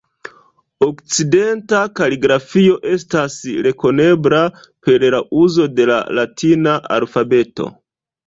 Okcidenta kaligrafio estas rekonebla per la uzo de la latina alfabeto.